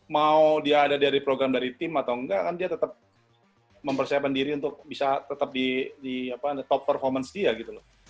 mau dia ada dari program dari tim atau enggak kan dia tetap mempersiapkan diri untuk bisa tetap di top performance dia gitu loh